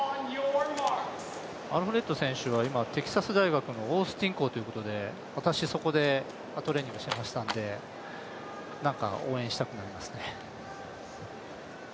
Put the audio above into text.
アルフレッド選手はテキサス大学のオースティン校ということで私、そこでトレーニングしていましたので、何か応援したくなりますね。